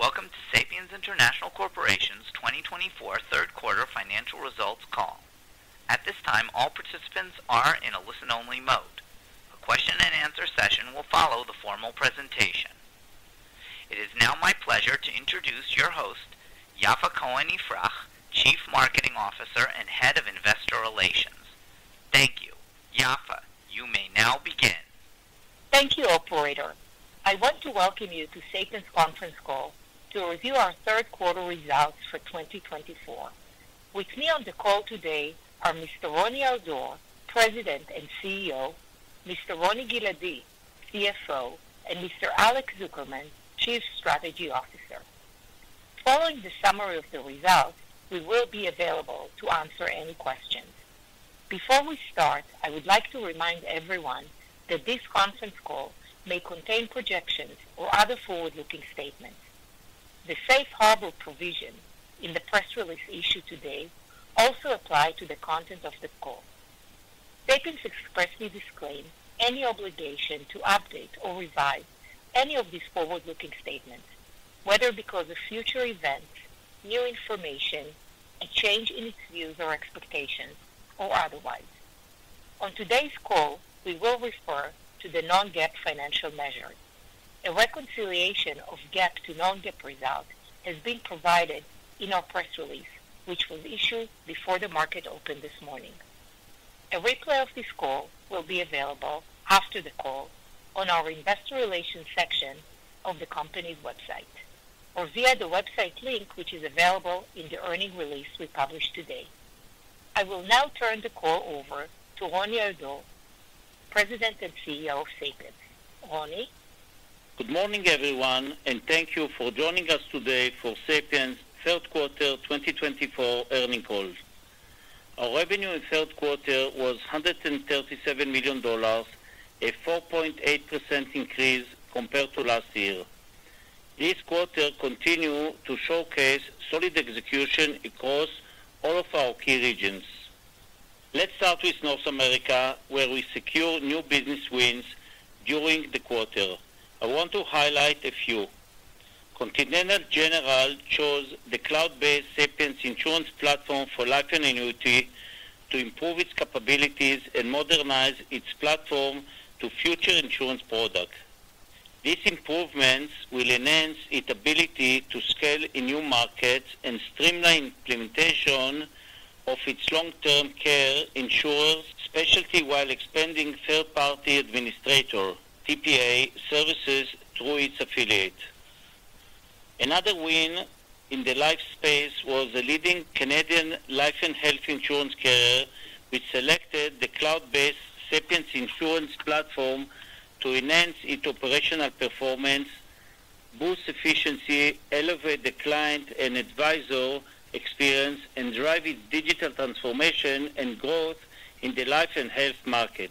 Welcome to Sapiens International Corporation's 2024 third quarter financial results call. At this time, all participants are in a listen-only mode. A question-and-answer session will follow the formal presentation. It is now my pleasure to introduce your host, Yaffa Cohen-Ifrah, Chief Marketing Officer and Head of Investor Relations. Thank you. Yaffa, you may now begin. Thank you, Operator. I want to welcome you to Sapiens conference call to review our third quarter results for 2024. With me on the call today are Mr. Roni Al-Dor, President and CEO, Mr. Roni Giladi, CFO, and Mr. Alex Zukerman, Chief Strategy Officer. Following the summary of the results, we will be available to answer any questions. Before we start, I would like to remind everyone that this conference call may contain projections or other forward-looking statements. The safe harbor provision in the press release issued today also applies to the content of the call. Sapiens expressly disclaims any obligation to update or revise any of these forward-looking statements, whether because of future events, new information, a change in its views or expectations, or otherwise. On today's call, we will refer to the Non-GAAP financial measures. A reconciliation of GAAP to non-GAAP results has been provided in our press release, which was issued before the market opened this morning. A replay of this call will be available after the call on our investor relations section of the company's website or via the website link which is available in the earnings release we published today. I will now turn the call over to Roni Al-Dor, President and CEO of Sapiens. Roni. Good morning, everyone, and thank you for joining us today for Sapiens' third quarter 2024 earnings call. Our revenue in the third quarter was $137 million, a 4.8% increase compared to last year. This quarter continues to showcase solid execution across all of our key regions. Let's start with North America, where we secured new business wins during the quarter. I want to highlight a few. Continental General chose the cloud-based Sapiens Insurance Platform for Life & Annuities to improve its capabilities and modernize its platform to future insurance products. These improvements will enhance its ability to scale in new markets and streamline implementation of its long-term care insurer specialty while expanding third-party administrator (TPA) services through its affiliates. Another win in the life space was the leading Canadian life and health insurance carrier, which selected the cloud-based Sapiens Insurance Platform to enhance its operational performance, boost efficiency, elevate the client and advisor experience, and drive its digital transformation and growth in the life and health market.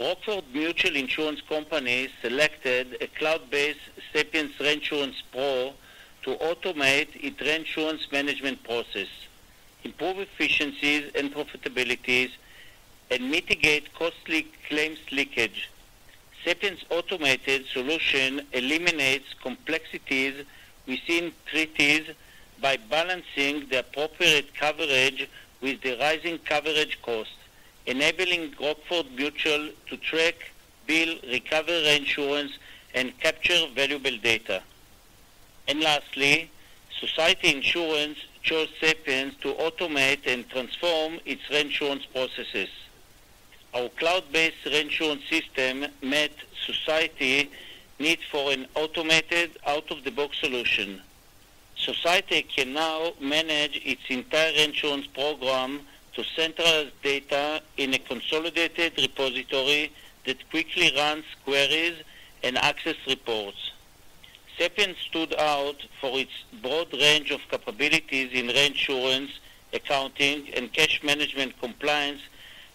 Rockford Mutual Insurance Company selected a cloud-based Sapiens ReinsurancePro to automate its reinsurance management process, improve efficiencies and profitabilities, and mitigate costly claims leakage. Sapiens' automated solution eliminates complexities within treaties by balancing the appropriate coverage with the rising coverage cost, enabling Rockford Mutual to track, bill, recover reinsurance, and capture valuable data. And lastly, Society Insurance chose Sapiens to automate and transform its reinsurance processes. Our cloud-based reinsurance system met Society's need for an automated, out-of-the-box solution. Society can now manage its entire reinsurance program to centralize data in a consolidated repository that quickly runs queries and accesses reports. Sapiens stood out for its broad range of capabilities in reinsurance, accounting, and cash management compliance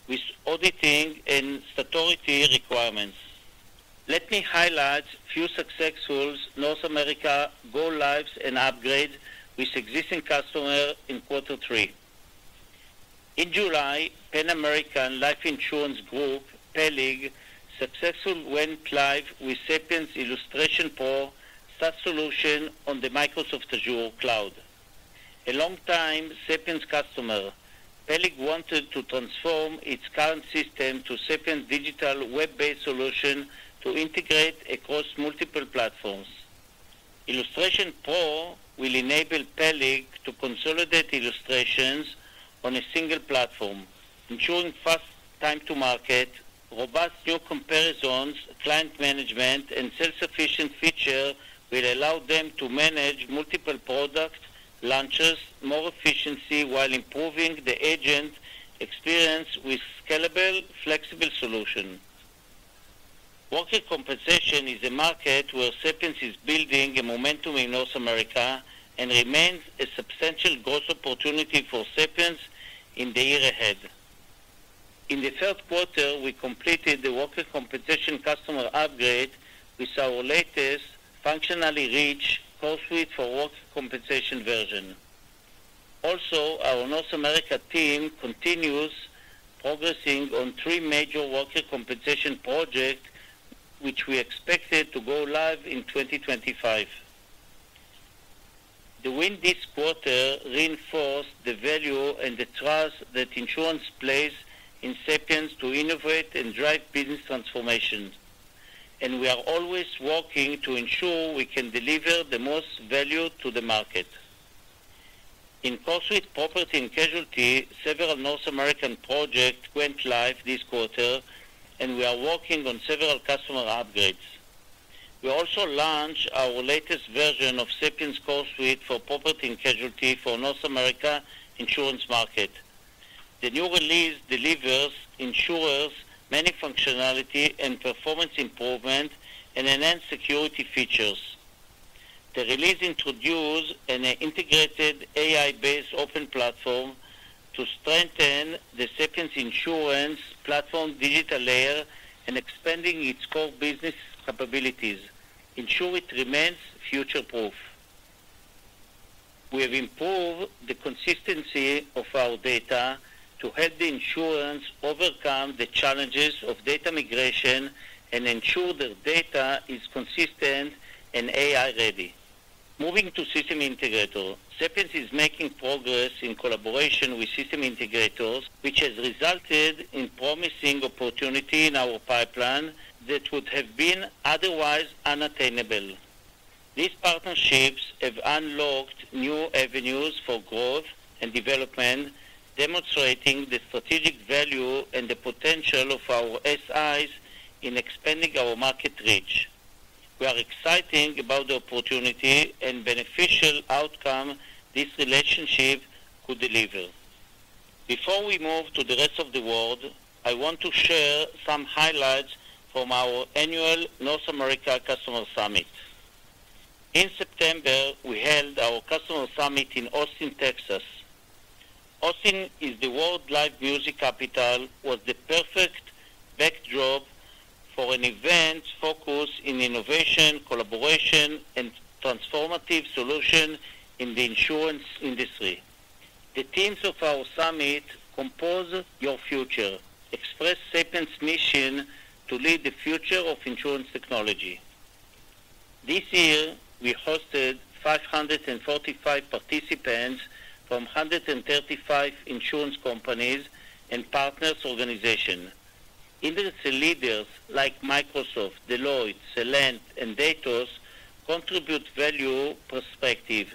with auditing and statutory requirements. Let me highlight a few successful North America go-lives and upgrades with existing customers in quarter three. In July, Pan American Life Insurance Group, PALIG, successfully went live with Sapiens IllustrationPro, SaaS solution on the Microsoft Azure cloud. A longtime Sapiens customer, PALIG wanted to transform its current system to Sapiens' digital web-based solution to integrate across multiple platforms. IllustrationPro will enable PALIG to consolidate illustrations on a single platform, ensuring fast time-to-market, robust new comparisons, client management, and self-sufficient features will allow them to manage multiple product launches more efficiently while improving the agent experience with scalable, flexible solutions. workers' compensation is a market where Sapiens is building a momentum in North America and remains a substantial growth opportunity for Sapiens in the year ahead. In the third quarter, we completed the workers' compensation customer upgrade with our latest functionally rich CoreSuite for Workers' Compensation version. Also, our North America team continues progressing on three major workers' compensation projects which we expected to go live in 2025. The win this quarter reinforced the value and the trust that insurers place in Sapiens to innovate and drive business transformation, and we are always working to ensure we can deliver the most value to the market. In CoreSuite Property and Casualty, several North American projects went live this quarter, and we are working on several customer upgrades. We also launched our latest version of Sapiens' CoreSuite for Property and Casualty for the North America insurance market. The new release delivers insurers many functionality and performance improvements and enhanced security features. The release introduced an integrated AI-based open platform to strengthen the Sapiens Insurance Platform digital layer and expand its core business capabilities, ensuring it remains future-proof. We have improved the consistency of our data to help the insurers overcome the challenges of data migration and ensure their data is consistent and AI-ready. Moving to system integrators, Sapiens is making progress in collaboration with system integrators, which has resulted in promising opportunities in our pipeline that would have been otherwise unattainable. These partnerships have unlocked new avenues for growth and development, demonstrating the strategic value and the potential of our SIs in expanding our market reach. We are excited about the opportunity and beneficial outcome this relationship could deliver. Before we move to the rest of the world, I want to share some highlights from our annual North America Customer Summit. In September, we held our Customer Summit in Austin, Texas. Austin is the world's live music capital, which was the perfect backdrop for an event focused on innovation, collaboration, and transformative solutions in the insurance industry. The themes of our summit comprised "Your Future," expressing Sapiens' mission to lead the future of insurance technology. This year, we hosted 545 participants from 135 insurance companies and partner organizations. Industry leaders like Microsoft, Deloitte, Celent, and Datos contributed valuable perspectives.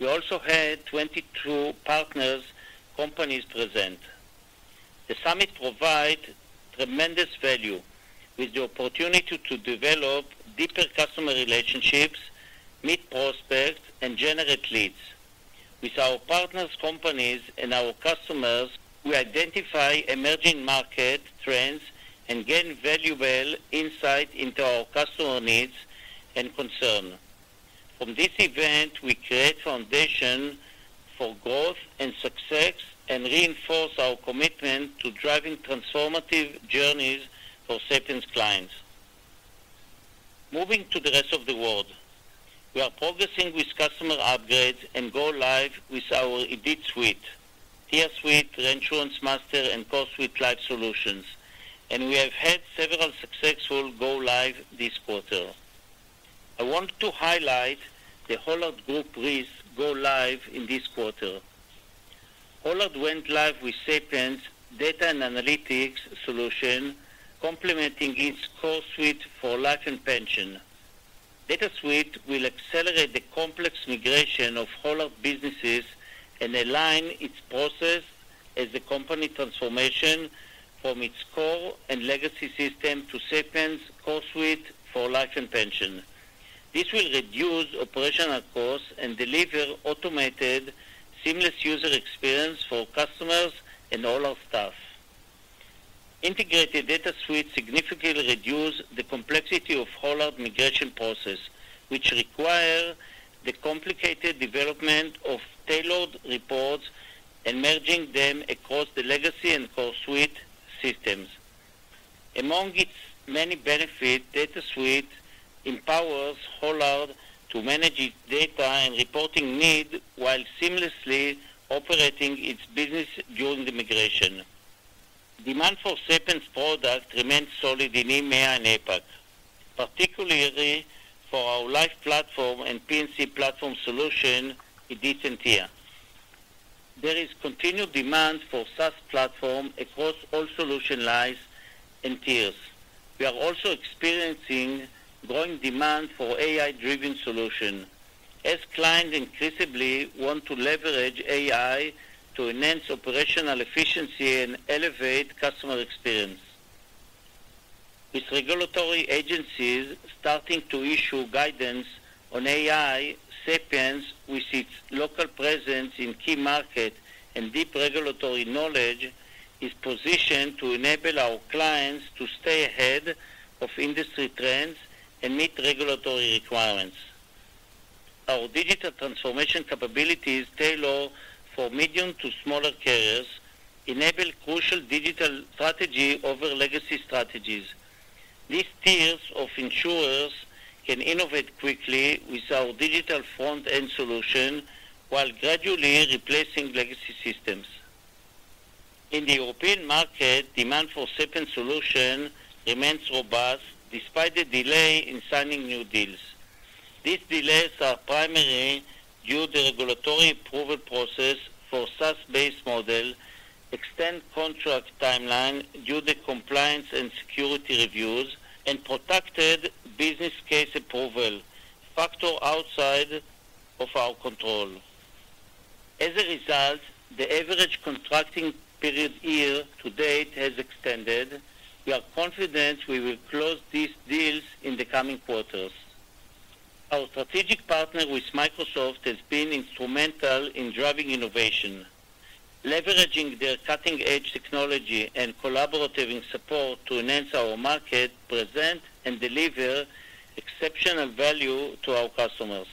We also had 22 partner companies present. The summit provided tremendous value, with the opportunity to develop deeper customer relationships, meet prospects, and generate leads. With our partner companies and our customers, we identify emerging market trends and gain valuable insight into our customer needs and concerns. From this event, we create a foundation for growth and success and reinforce our commitment to driving transformative journeys for Sapiens' clients. Moving to the rest of the world, we are progressing with customer upgrades and go-live with our IDITSuite, Tia Solution, ReinsuranceMaster, and CoreSuite Life solutions, and we have had several successful go-live this quarter. I want to highlight the Hollard Group's go-live in this quarter. Hollard went live with Sapiens' data and analytics solution, complementing its core suite for life and pension. DataSuite will accelerate the complex migration of Hollard businesses and align its processes as the company transformation from its core and legacy system to Sapiens' CoreSuite for Life and Pension. This will reduce operational costs and deliver an automated, seamless user experience for customers and all our staff. Integrated DataSuite significantly reduce the complexity of Hollard's migration process, which requires the complicated development of tailored reports and merging them across the legacy and core suite systems. Among its many benefits, data suite empowers Hollard to manage its data and reporting needs while seamlessly operating its business during the migration. Demand for Sapiens' products remains solid in EMEA and APAC, particularly for our Life platform and P&C platform solutions, IDIT and Tia. There is continued demand for SaaS platforms across all solution lines and tiers. We are also experiencing growing demand for AI-driven solutions, as clients increasingly want to leverage AI to enhance operational efficiency and elevate customer experience. With regulatory agencies starting to issue guidance on AI, Sapiens, with its local presence in key markets and deep regulatory knowledge, is positioned to enable our clients to stay ahead of industry trends and meet regulatory requirements. Our digital transformation capabilities tailored for medium to smaller carriers enable crucial digital strategies over legacy strategies. These tiers of insurers can innovate quickly with our digital front-end solutions while gradually replacing legacy systems. In the European market, demand for Sapiens' solutions remains robust despite the delay in signing new deals. These delays are primarily due to the regulatory approval process for SaaS-based models, extended contract timelines due to compliance and security reviews, and protected business case approval factors outside of our control. As a result, the average contracting period year to date has extended. We are confident we will close these deals in the coming quarters. Our strategic partners with Microsoft have been instrumental in driving innovation, leveraging their cutting-edge technology and collaborative support to enhance our market, present, and deliver exceptional value to our customers.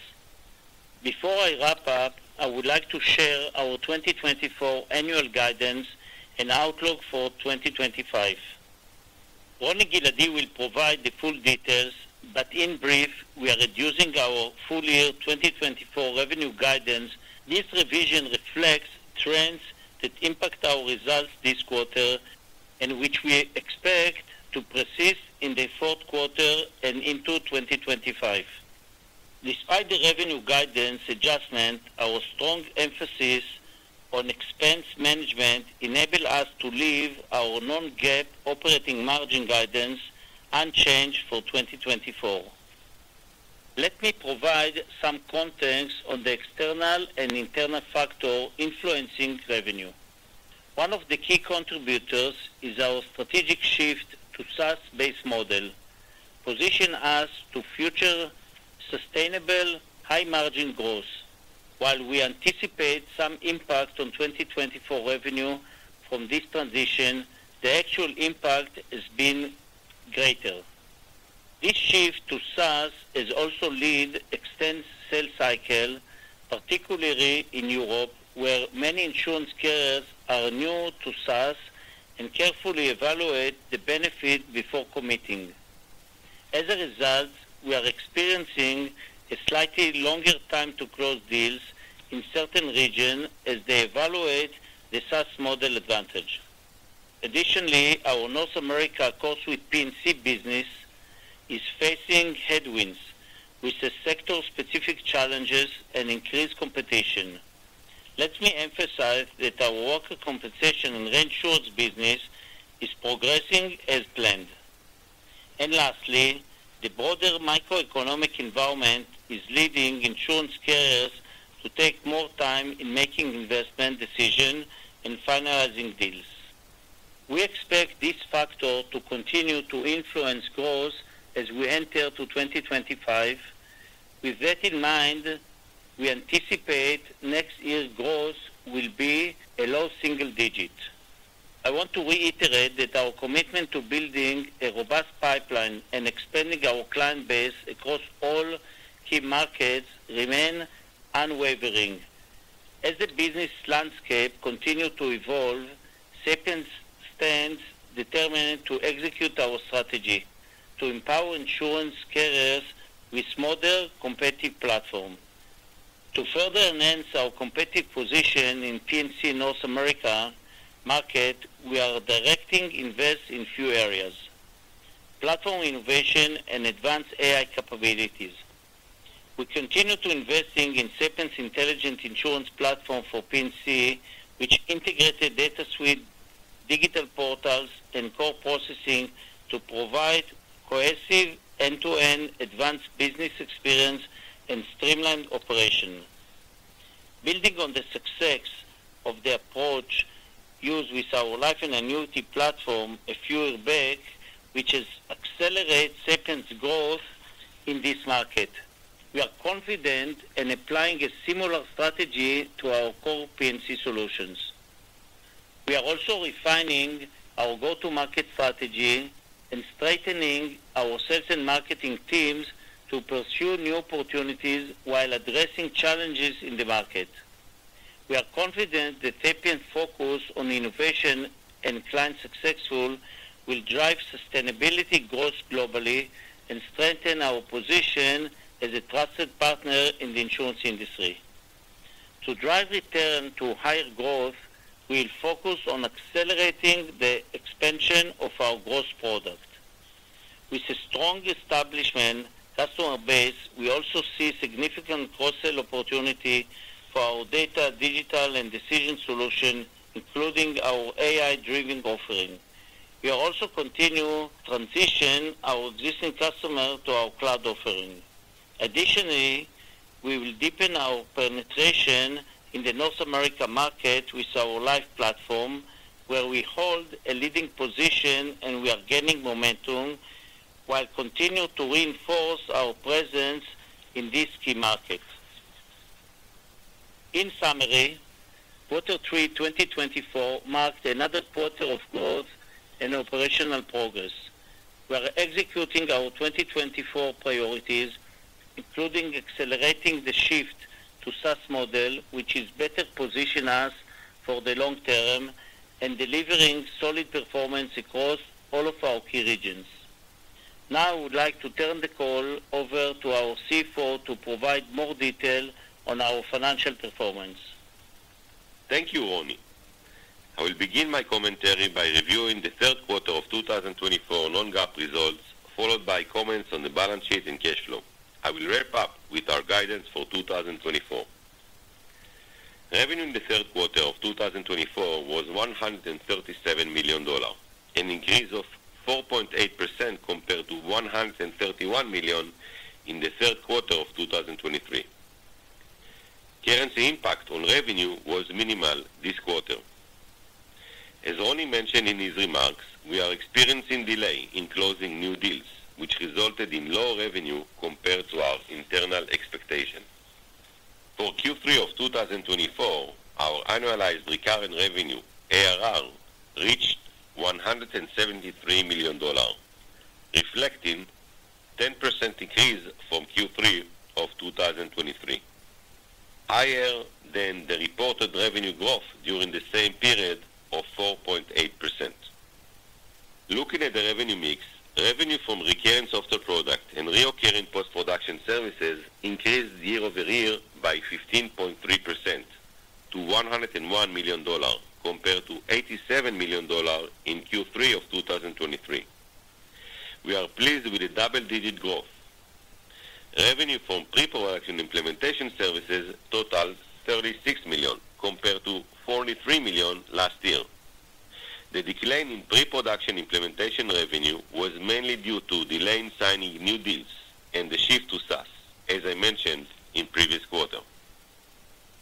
Before I wrap up, I would like to share our 2024 annual guidance and outlook for 2025. Roni Giladi will provide the full details, but in brief, we are reducing our full-year 2024 revenue guidance. This revision reflects trends that impact our results this quarter and which we expect to persist in the fourth quarter and into 2025. Despite the revenue guidance adjustment, our strong emphasis on expense management enables us to leave our non-GAAP operating margin guidance unchanged for 2024. Let me provide some context on the external and internal factors influencing revenue. One of the key contributors is our strategic shift to a SaaS-based model, positioning us to future sustainable high-margin growth. While we anticipate some impact on 2024 revenue from this transition, the actual impact has been greater. This shift to SaaS has also led to an extended sales cycle, particularly in Europe, where many insurance carriers are new to SaaS and carefully evaluate the benefits before committing. As a result, we are experiencing a slightly longer time to close deals in certain regions as they evaluate the SaaS model advantage. Additionally, our North America CoreSuite P&C business is facing headwinds with sector-specific challenges and increased competition. Let me emphasize that our workers' compensation and reinsurance business is progressing as planned. Lastly, the broader macroeconomic environment is leading insurance carriers to take more time in making investment decisions and finalizing deals. We expect this factor to continue to influence growth as we enter 2025. With that in mind, we anticipate next year's growth will be low single-digit. I want to reiterate that our commitment to building a robust pipeline and expanding our client base across all key markets remains unwavering. As the business landscape continues to evolve, Sapiens stands determined to execute our strategy to empower insurance carriers with a modern, competitive platform. To further enhance our competitive position in the P&C North America market, we are directing investments in a few areas: platform innovation and advanced AI capabilities. We continue to invest in Sapiens' Intelligent Insurance Platform for P&C, which integrates a data suite, digital portals, and core processing to provide a cohesive end-to-end advanced business experience and streamlined operations. Building on the success of the approach used with our life and annuity platform a few years back, which has accelerated Sapiens' growth in this market, we are confident in applying a similar strategy to our core P&C solutions. We are also refining our go-to-market strategy and strengthening our sales and marketing teams to pursue new opportunities while addressing challenges in the market. We are confident that Sapiens' focus on innovation and client success will drive sustainable growth globally and strengthen our position as a trusted partner in the insurance industry. To drive returns to higher growth, we will focus on accelerating the expansion of our growth product. With a strong established customer base, we also see significant cross-sale opportunities for our data digital and decision solutions, including our AI-driven offering. We are also continuing to transition our existing customers to our cloud offering. Additionally, we will deepen our penetration in the North America market with our Life platform, where we hold a leading position and we are gaining momentum, while continuing to reinforce our presence in these key markets. In summary, Quarter Three 2024 marked another quarter of growth and operational progress. We are executing our 2024 priorities, including accelerating the shift to a SaaS model, which is better positioning us for the long term and delivering solid performance across all of our key regions. Now, I would like to turn the call over to our CFO to provide more detail on our financial performance. Thank you, Roni. I will begin my commentary by reviewing the third quarter of 2024 non-GAAP results, followed by comments on the balance sheet and cash flow. I will wrap up with our guidance for 2024. Revenue in the third quarter of 2024 was $137 million, an increase of 4.8% compared to $131 million in the third quarter of 2023. Currency impact on revenue was minimal this quarter. As Roni mentioned in his remarks, we are experiencing delays in closing new deals, which resulted in low revenue compared to our internal expectations. For Q3 of 2024, our annualized recurring revenue, ARR, reached $173 million, reflecting a 10% increase from Q3 of 2023, higher than the reported revenue growth during the same period of 4.8%. Looking at the revenue mix, revenue from recurring software products and recurring post-production services increased year over year by 15.3% to $101 million compared to $87 million in Q3 of 2023. We are pleased with the double-digit growth. Revenue from pre-production implementation services totaled $36 million compared to $43 million last year. The decline in pre-production implementation revenue was mainly due to delays in signing new deals and the shift to SaaS, as I mentioned in the previous quarter.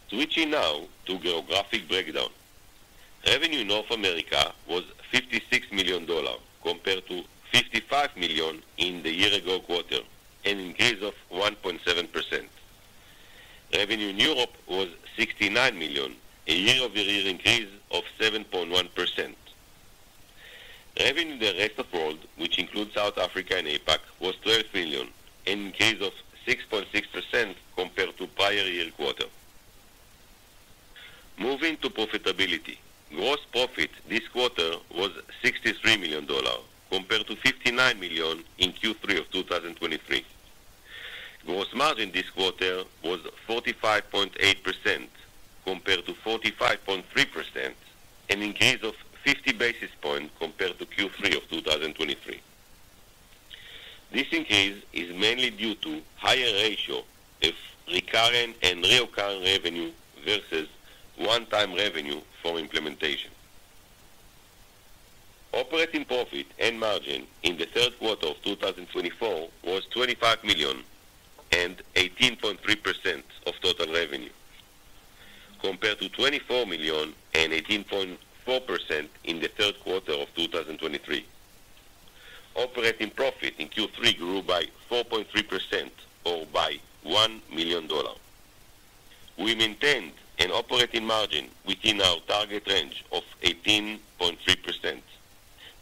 Switching now to geographic breakdown, revenue in North America was $56 million compared to $55 million in the year-ago quarter, an increase of 1.7%. Revenue in Europe was $69 million, a year-over-year increase of 7.1%. Revenue in the rest of the world, which includes South Africa and APAC, was $12 million, an increase of 6.6% compared to the prior year quarter. Moving to profitability, gross profit this quarter was $63 million compared to $59 million in Q3 of 2023. Gross margin this quarter was 45.8% compared to 45.3%, an increase of 50 basis points compared to Q3 of 2023. This increase is mainly due to a higher ratio of recurring and recurring revenue versus one-time revenue for implementation. Operating profit and margin in the third quarter of 2024 was $25 million and 18.3% of total revenue, compared to $24 million and 18.4% in the third quarter of 2023. Operating profit in Q3 grew by 4.3%, or by $1 million. We maintained an operating margin within our target range of 18.3%,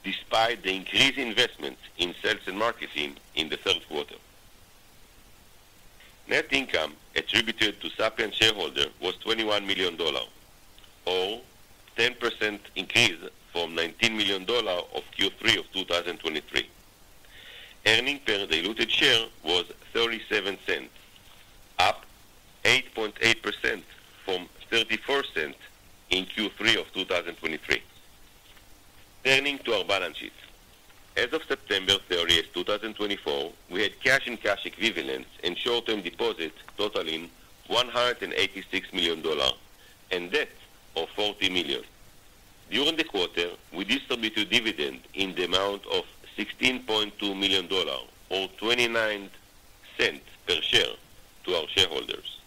despite the increased investment in sales and marketing in the third quarter. Net Income attributed to Sapiens shareholders was $21 million, or a 10% increase from $19 million of Q3 of 2023. Earnings per diluted share was $0.37, up 8.8% from $0.34 in Q3 of 2023. Turning to our balance sheet, as of September 30, 2024, we had cash and cash equivalents and short-term deposits totaling $186 million and debt of $40 million. During the quarter, we distributed dividends in the amount of $16.2 million, or $0.29 per share, to our shareholders.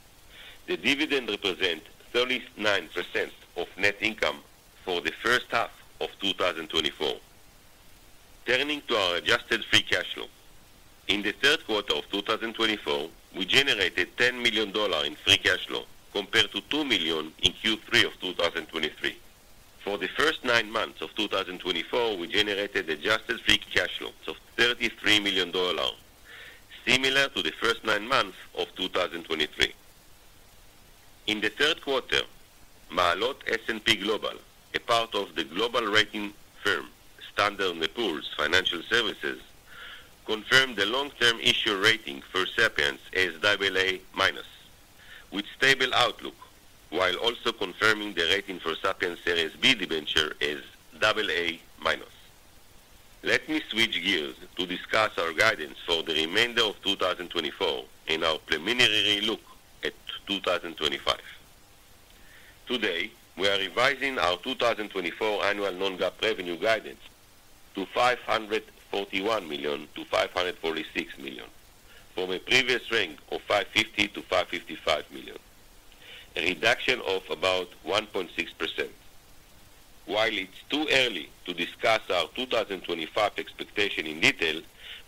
The dividend represents 39% of Net Income for the first half of 2024. Turning to our adjusted free cash flow, in the third quarter of 2024, we generated $10 million in free cash flow compared to $2 million in Q3 of 2023. For the first nine months of 2024, we generated adjusted free cash flow of $33 million, similar to the first nine months of 2023. In the third quarter, S&P Maalot, a part of the global rating firm Standard & Poor's Financial Services, confirmed the long-term issuer rating for Sapiens as AA-, with a stable outlook, while also confirming the rating for Sapiens Series B debenture as AA-. Let me switch gears to discuss our guidance for the remainder of 2024 and our preliminary look at 2025. Today, we are revising our 2024 annual non-GAAP revenue guidance to $541 million-$546 million, from a previous range of $550 million-$555 million, a reduction of about 1.6%. While it's too early to discuss our 2025 expectation in detail,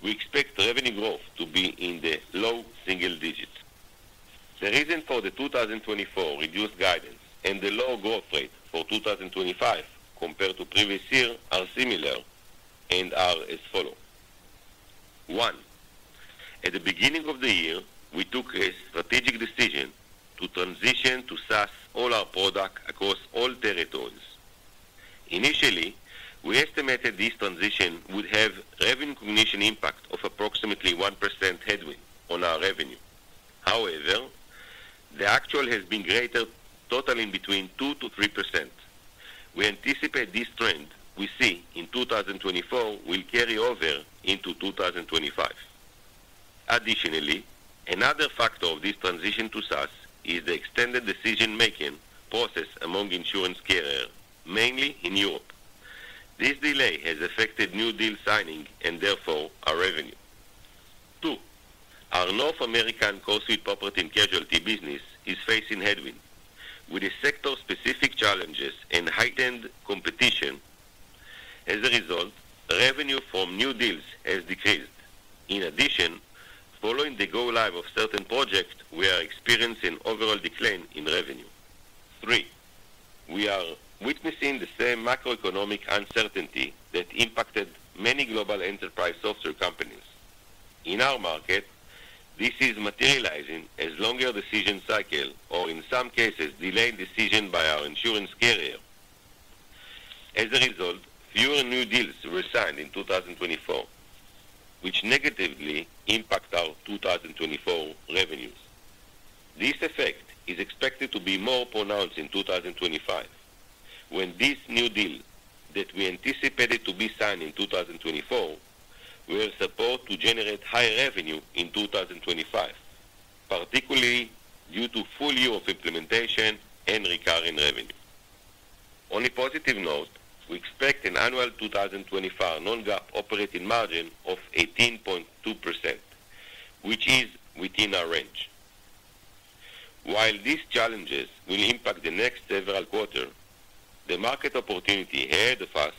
we expect revenue growth to be in the low single digits. The reason for the 2024 reduced guidance and the low growth rate for 2025 compared to the previous year are similar and are as follow. One, at the beginning of the year, we took a strategic decision to transition to SaaS all our products across all territories. Initially, we estimated this transition would have a revenue recognition impact of approximately 1% headwind on our revenue. However, the actual has been greater, totaling between 2% to 3%. We anticipate this trend we see in 2024 will carry over into 2025. Additionally, another factor of this transition to SaaS is the extended decision-making process among insurance carriers, mainly in Europe. This delay has affected new deal signing and therefore our revenue. Two, our North American CoreSuite Property and Casualty business is facing headwinds, with sector-specific challenges and heightened competition. As a result, revenue from new deals has decreased. In addition, following the go-live of certain projects, we are experiencing an overall decline in revenue. Three, we are witnessing the same macroeconomic uncertainty that impacted many global enterprise software companies. In our market, this is materializing as a longer decision cycle or, in some cases, a delayed decision by our insurance carrier. As a result, fewer new deals were signed in 2024, which negatively impacted our 2024 revenues. This effect is expected to be more pronounced in 2025, when this new deal that we anticipated to be signed in 2024 will support to generate higher revenue in 2025, particularly due to a full year of implementation and recurring revenue. On a positive note, we expect an annual 2025 non-GAAP operating margin of 18.2%, which is within our range. While these challenges will impact the next several quarters, the market opportunity ahead of us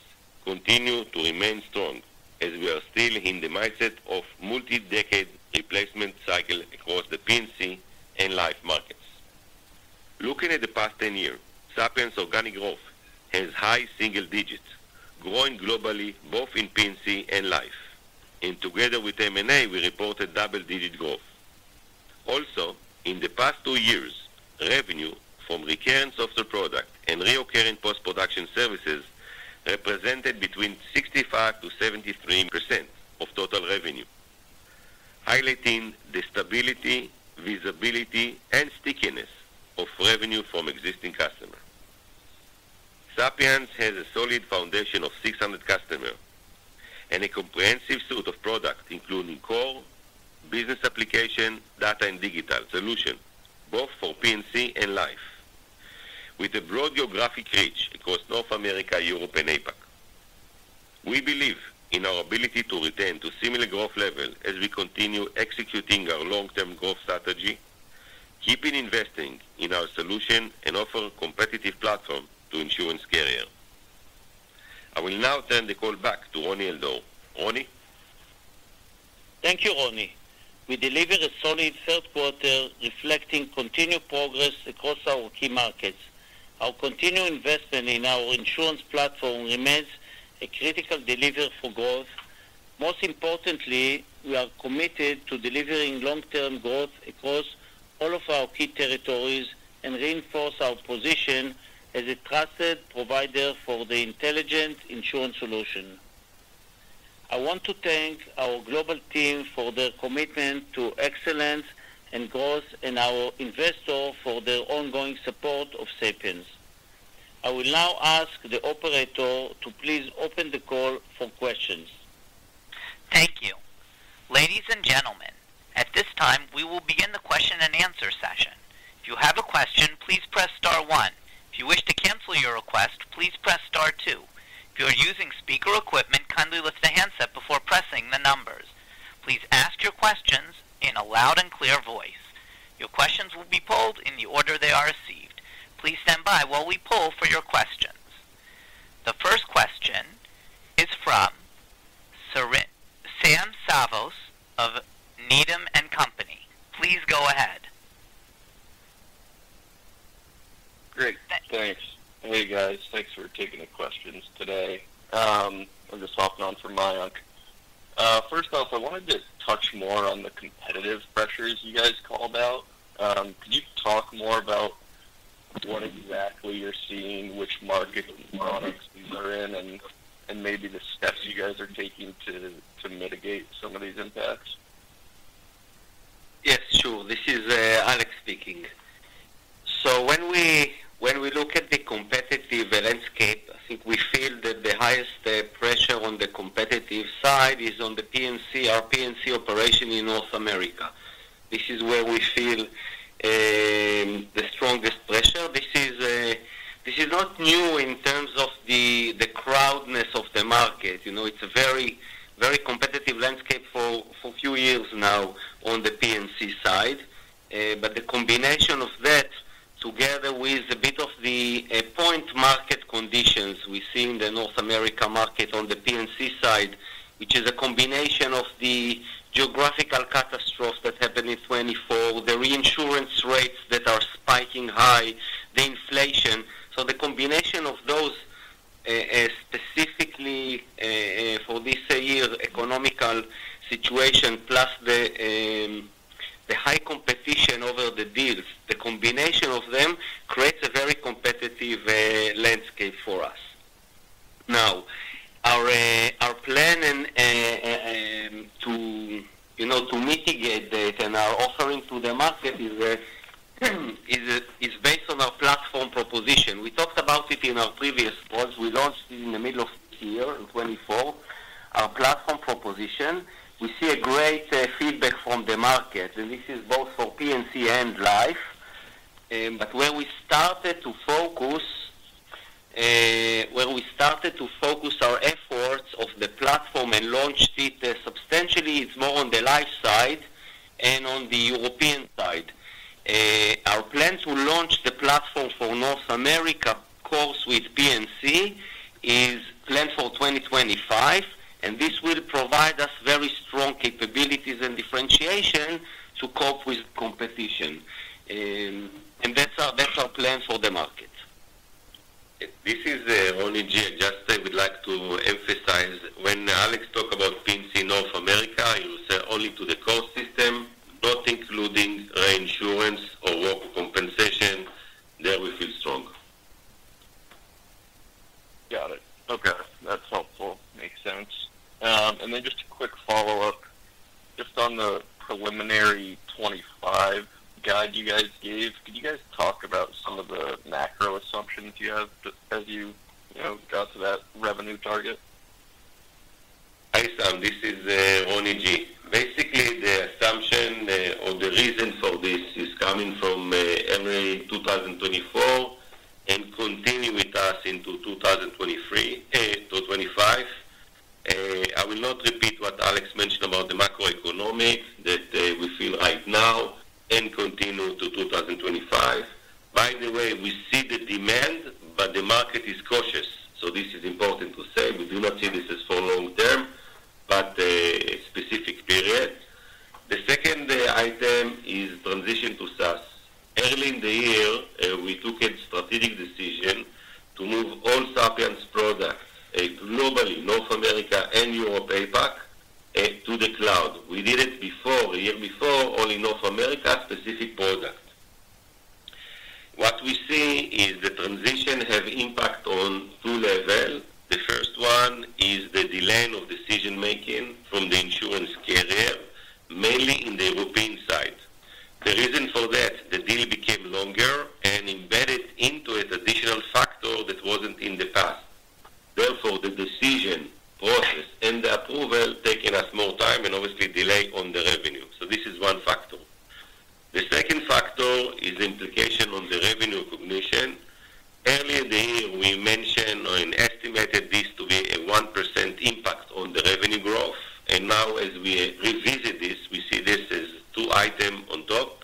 continues to remain strong, as we are still in the mindset of a multi-decade replacement cycle across the P&C and life markets. Looking at the past 10 years, Sapiens' organic growth has high single digits, growing globally both in P&C and life. And together with M&A, we reported double-digit growth. Also, in the past two years, revenue from recurring software products and recurring post-production services represented between 65% to 73% of total revenue, highlighting the stability, visibility, and stickiness of revenue from existing customers. Sapiens has a solid foundation of 600 customers and a comprehensive suite of products, including core, business application, data, and digital solutions, both for P&C and life, with a broad geographic reach across North America, Europe, and APAC. We believe in our ability to retain a similar growth level as we continue executing our long-term growth strategy, keeping investing in our solution, and offering a competitive platform to insurance carriers. I will now turn the call back to Roni Al-Dor. Roni. Thank you, Roni. We delivered a solid third quarter, reflecting continued progress across our key markets. Our continued investment in our insurance platform remains a critical delivery for growth. Most importantly, we are committed to delivering long-term growth across all of our key territories and reinforcing our position as a trusted provider for the intelligent insurance solution. I want to thank our global team for their commitment to excellence and growth, and our investors for their ongoing support of Sapiens. I will now ask the operator to please open the call for questions. Thank you. Ladies and gentlemen, at this time, we will begin the question-and-answer session. If you have a question, please press star one. If you wish to cancel your request, please press star two. If you are using speaker equipment, kindly lift the handset before pressing the numbers. Please ask your questions in a loud and clear voice. Your questions will be polled in the order they are received. Please stand by while we poll for your questions. The first question is from Sam Salvas of Needham & Company. Please go ahead. Great. Thanks. Hey, guys. Thanks for taking the questions today. I'm just hopping on from Mayank. First off, I wanted to touch more on the competitive pressures you guys called out. Could you talk more about what exactly you're seeing, which market products these are in, and maybe the steps you guys are taking to mitigate some of these impacts? Yes, sure. This is Alex speaking. So when we look at the competitive landscape, I think we feel that the highest pressure on the competitive side is on the P&C, our P&C operation in North America. This is where we feel the strongest pressure. This is not new in terms of the crowdedness of the market. It's a very competitive landscape for a few years now on the P&C side. But the combination of that, together with a bit of the point market conditions we see in the North America market on the P&C side, which is a combination of the geographical catastrophe that happened in 2024, the reinsurance rates that are spiking high, the inflation. So the combination of those, specifically for this year's economic situation, plus the high competition over the deals, the combination of them creates a very competitive landscape for us. Now, our plan to mitigate that and our offering to the market is based on our platform proposition. We talked about it in our previous calls. We launched it in the middle of the year in 2024, our platform proposition. We see great feedback from the market, and this is both for P&C and life. But where we started to focus our efforts on the platform and launched it substantially, it's more on the life side and on the European side. Our plan to launch the platform for North America CoreSuite P&C is planned for 2025, and this will provide us very strong capabilities and differentiation to cope with competition. And that's our plan for the market. This is Roni. Just I would like to emphasize, when Alex talked about P&C North America, he said only to the core system, not including reinsurance or workers' compensation. There we feel strong. Got it. Okay. That's helpful. Makes sense. And then just a quick follow-up, just on the preliminary 2025 guide you guys gave, could you guys talk about some of the macro assumptions you had as you got to that revenue target? Hi, Sam. This is Roni. Basically, the assumption or the reason for this is coming from as of 2024 and continuing with us into 2025. I will not repeat what Alex mentioned about the macroeconomic that we feel right now and continue to 2025. By the way, we see the demand, but the market is cautious. So this is important to say. We do not see this as for long-term, but a specific period. The second item is transition to SaaS. Early in the year, we took a strategic decision to move all Sapiens products globally, North America and Europe APAC, to the cloud. We did it before, a year before, only North America specific product. What we see is the transition has impact on two levels. The first one is the delay of decision-making from the insurance carrier, mainly in the European side. The reason for that, the deal became longer and embedded into an additional factor that wasn't in the past. Therefore, the decision process and the approval taken us more time and obviously delay on the revenue. So this is one factor. The second factor is implications on the revenue recognition. Earlier in the year, we mentioned or estimated this to be a 1% impact on the revenue growth, and now, as we revisit this, we see this as two items on top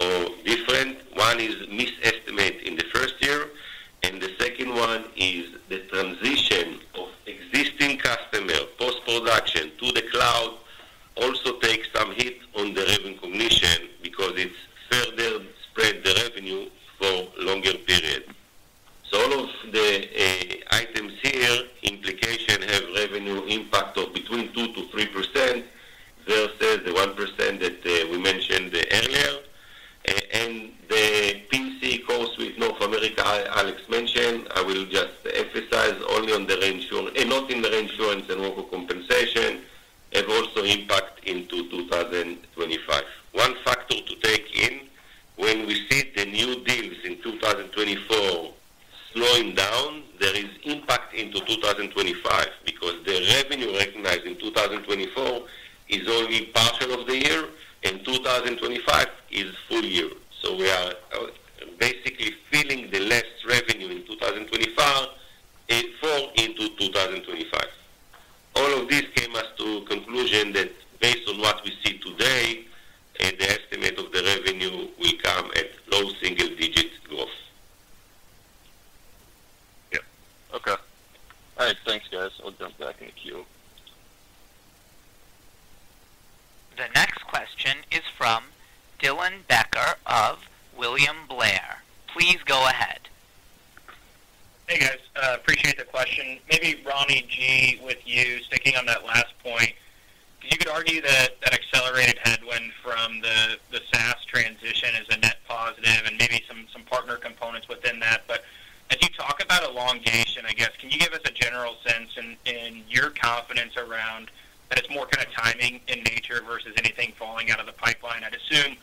or different. One is misestimate in the first year, and the second one is the transition of existing customer post-production to the cloud also takes some hit on the revenue recognition because it further spreads the revenue for a longer period. So all of the items here, implication have revenue impact of between 2%-3% versus the 1% that we mentioned earlier. And the P&C core suite North America Alex mentioned, I will just emphasize only on the reinsurance and not in the reinsurance and workers' compensation, have also impact into 2025. One factor to take in, when we see the new deals in 2024 slowing down, there is impact into 2025 because the revenue recognized in 2024 is only partial of the year, and 2025 is full year. So we are basically filling the less revenue in 2024 into 2025. All of this leads us to a conclusion that based on what we see today, the estimate of the revenue will come at low single-digit growth. Yep. Okay. All right. Thanks, guys. I'll jump back in the queue. The next question is from Dylan Becker of William Blair. Please go ahead. Hey, guys. Appreciate the question. Maybe Roni G., with you sticking on that last point. You could argue that accelerated headwind from the SaaS transition is a net positive and maybe some partner components within that. But as you talk about elongation, I guess, can you give us a general sense in your confidence around that it's more kind of timing in nature versus anything falling out of the pipeline? I'd assume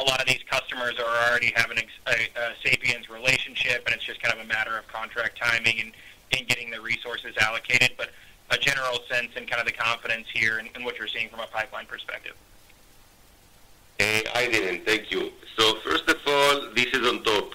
a lot of these customers already have a Sapiens relationship, and it's just kind of a matter of contract timing and getting the resources allocated. But a general sense and kind of the confidence here and what you're seeing from a pipeline perspective. I didn't. Thank you. So first of all, this is on top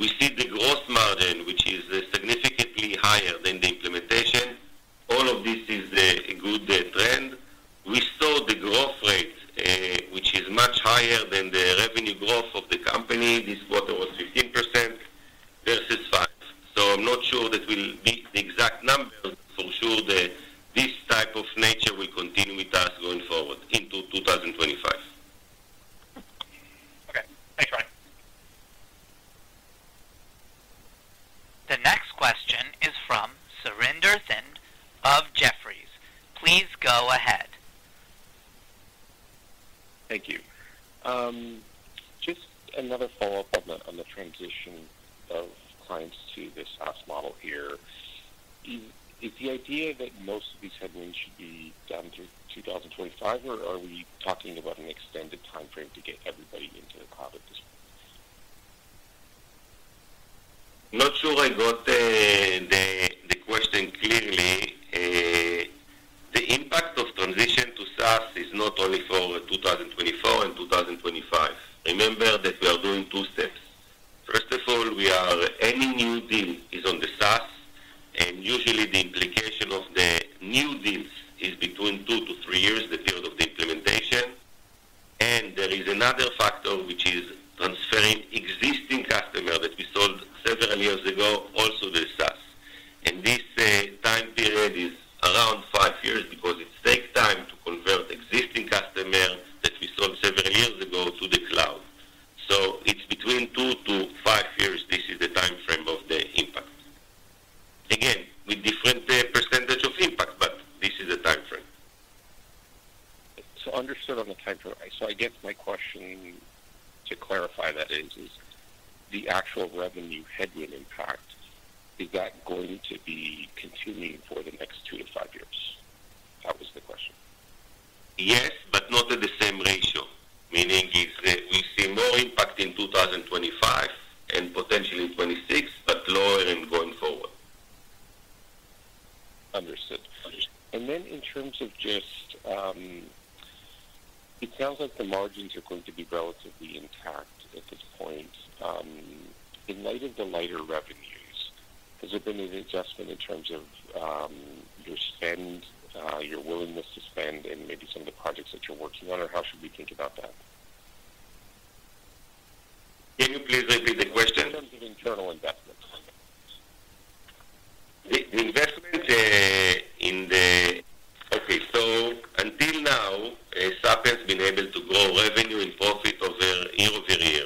We see the gross margin, which is significantly higher than the implementation. All of this is a good trend. We saw the growth rate, which is much higher than the revenue growth of the company. This quarter was 15% versus 5%. So I'm not sure that will be the exact number. For sure, this type of nature will continue with us going forward into 2025. Okay. Thanks, Roni. The next question is from Surinder Thind of Jefferies. Please go ahead. Thank you. Just another follow-up on the transition of clients to this SaaS model here. Is the idea that most of these headwinds should be done through 2025, or are we talking about an extended timeframe to get everybody into the cloud at this point? Not sure I got the question clearly. The impact of transition to SaaS is not only for 2024 and 2025. Remember that we are doing two steps. First of all, any new deal is on the SaaS, and usually, the implementation of the new deals is between two to three years, the period of the implementation. And there is another factor, which is transferring existing customers that we sold several years ago also to the SaaS. And this time period is around five years because it takes time to convert existing customers that we sold several years ago to the cloud. So it's between two to five years. This is the timeframe of the impact. Again, with different percentage of impact, but this is the timeframe. So understood on the timeframe. So I guess my question to clarify that is, is the actual revenue headwind impact, is that going to be continuing for the next two to five years? That was the question. Yes, but not at the same ratio, meaning we see more impact in 2025 and potentially 2026, but lower in going forward. Understood. And then in terms of just it sounds like the margins are going to be relatively intact at this point. In light of the lighter revenues, has there been an adjustment in terms of your spend, your willingness to spend, and maybe some of the projects that you are working on, or how should we think about that? Can you please repeat the question? In terms of internal investments. Okay. So until now, Sapiens has been able to grow revenue and profit year-over-year.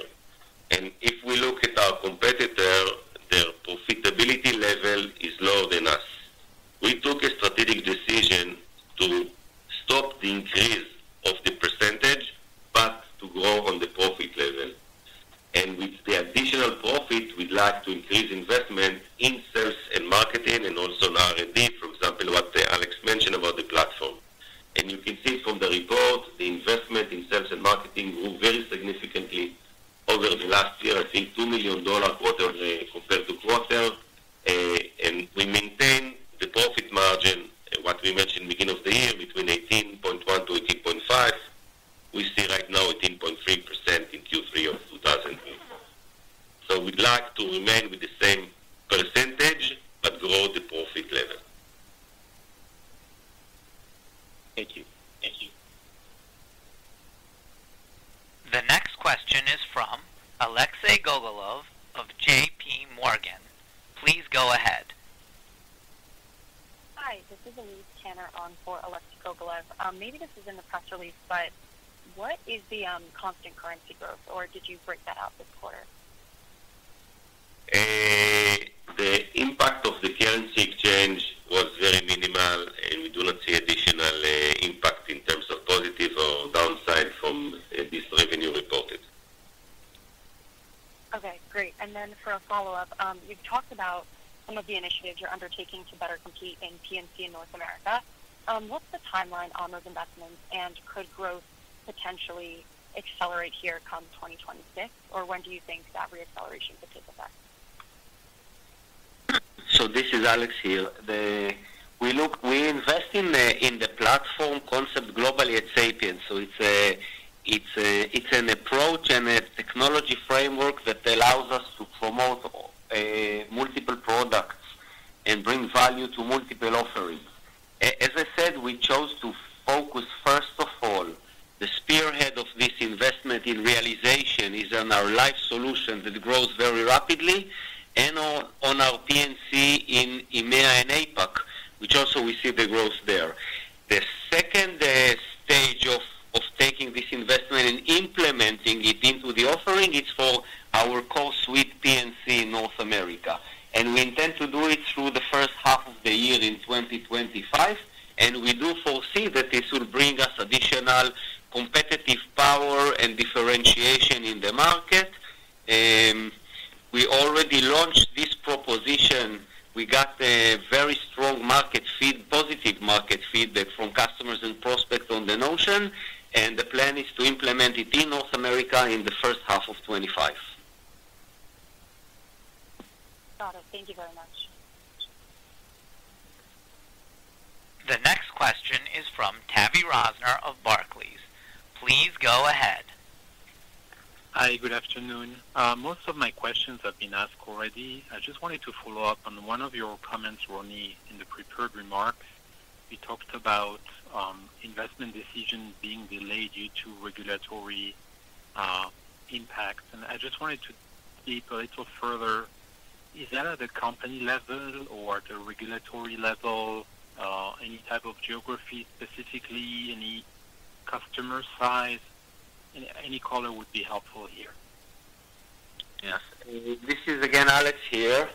And if we look at our competitor, their profitability level is lower than us. We took a strategic decision to stop the increase of the percentage, but to grow on the profit level. And with the additional profit, we'd like to increase investment in sales and marketing and also in R&D, for example, what Alex mentioned about the platform. And you can see from the report, the investment in sales and marketing grew very significantly over the last year, I think $2 million quarter compared to quarter. And we maintain the profit margin, what we mentioned in the beginning of the year, between 18.1% and 18.5%. We see right now 18.3% in Q3 of 2024. So we'd like to remain with the same percentage but grow the profit level. Thank you. Thank you. The next question is from Alexei Gogolov of J.P. Morgan. Please go ahead. Hi. This is Ronee DeHart on for Alexei Gogolov. Maybe this is in the press release, but what is the constant currency growth, or did you break that out this quarter? The impact of the currency exchange was very minimal, and we do not see additional impact in terms of positive or downside from this revenue reported. Okay. Great. And then for a follow-up, you've talked about some of the initiatives you're undertaking to better compete in P&C in North America. What's the timeline on those investments, and could growth potentially accelerate here come 2026, or when do you think that reacceleration could take effect? So this is Alex here. We invest in the platform concept globally at Sapiens. So it's an approach and a technology framework that allows us to promote multiple products and bring value to multiple offerings. As I said, we chose to focus first of all. The spearhead of this investment in realization is on our life solution that grows very rapidly and on our P&C in EMEA and APAC, which also we see the growth there. The second stage of taking this investment and implementing it into the offering is for our core suite P&C in North America. And we intend to do it through the first half of the year in 2025. And we do foresee that this will bring us additional competitive power and differentiation in the market. We already launched this proposition. We got very strong market feedback, positive market feedback from customers and prospects on the notion. And the plan is to implement it in North America in the first half of 2025. Got it. Thank you very much. The next question is from Tavy Rosner of Barclays. Please go ahead. Hi. Good afternoon. Most of my questions have been asked already. I just wanted to follow up on one of your comments, Roni, in the prepared remarks. You talked about investment decisions being delayed due to regulatory impacts. I just wanted to dig a little further. Is that at the company level or at the regulatory level? Any type of geography specifically? Any customer size? Any color would be helpful here. Yes. This is again Alex here.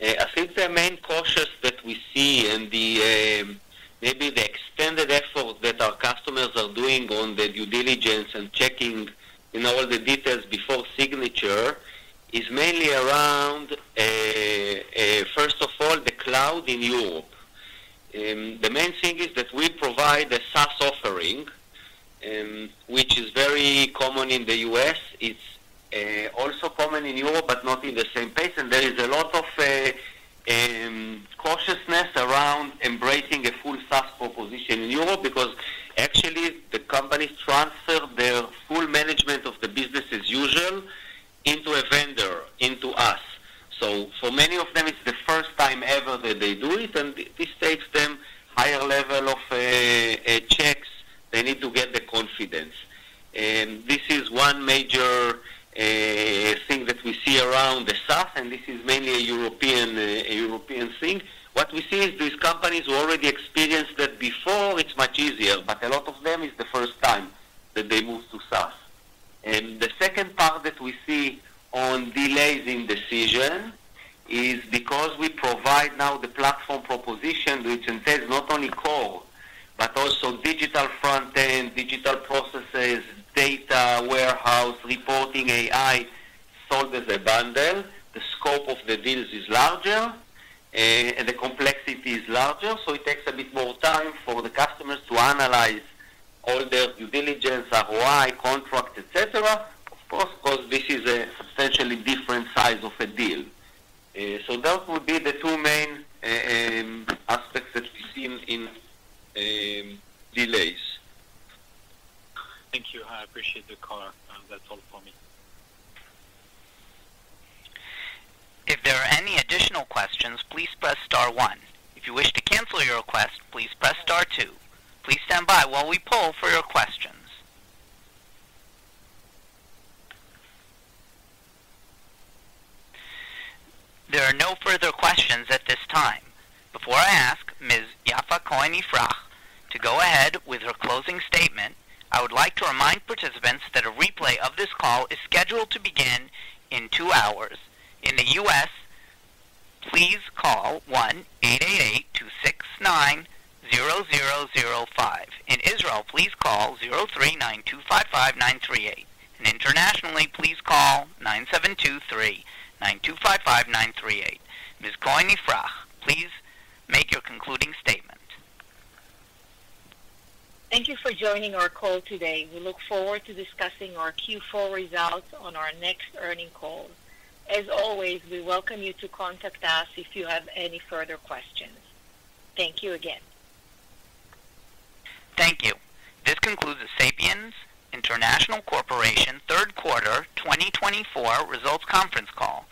I think the main caution that we see and maybe the extended effort that our customers are doing on the due diligence and checking all the details before signature is mainly around, first of all, the cloud in Europe. The main thing is that we provide a SaaS offering, which is very common in the U.S. It's also common in Europe, but not in the same pace. And there is a lot of cautiousness around embracing a full SaaS proposition in Europe because, actually, the companies transfer their full management of the business as usual into a vendor, into us. So for many of them, it's the first time ever that they do it, and this takes them higher level of checks. They need to get the confidence. This is one major thing that we see around the SaaS, and this is mainly a European thing. What we see is these companies who already experienced that before. It's much easier. But a lot of them is the first time that they move to SaaS. And the second part that we see on delays in decision is because we provide now the platform proposition, which entails not only core but also digital front-end, digital processes, data warehouse, reporting, AI, sold as a bundle. The scope of the deals is larger, and the complexity is larger. So it takes a bit more time for the customers to analyze all their due diligence, ROI, contracts, etc., of course, because this is a substantially different size of a deal. So those would be the two main aspects that we see in delays. Thank you. I appreciate the color. That's all for me. If there are any additional questions, please press star one. If you wish to cancel your request, please press star two. Please stand by while we poll for your questions. There are no further questions at this time. Before I ask Ms. Yaffa Cohen-Ifrah to go ahead with her closing statement, I would like to remind participants that a replay of this call is scheduled to begin in two hours. In the US, please call 1-888-269-0005. In Israel, please call 03-9255938. And internationally, please call 972-392-55938. Ms. Cohen-Ifrah, please make your concluding statement. Thank you for joining our call today. We look forward to discussing our Q4 results on our next earnings call. As always, we welcome you to contact us if you have any further questions. Thank you again. Thank you. This concludes the Sapiens International Corporation Third Quarter 2024 Results Conference Call.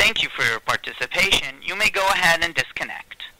Thank you for your participation. You may go ahead and disconnect.